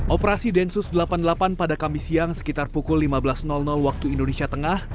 operasi densus delapan puluh delapan pada kamis siang sekitar pukul lima belas waktu indonesia tengah